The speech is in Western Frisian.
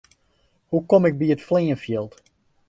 Hoe kom ik by it fleanfjild?